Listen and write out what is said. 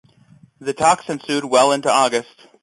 The talks ensued well into August.